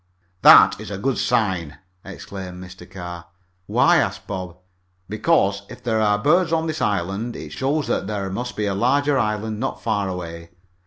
"That's a good sign!" exclaimed Mr. Carr. "Why?" asked Bob. "Because if there are birds on this small island, it shows that there must be a larger island not far away.